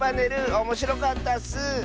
おもしろかったッス！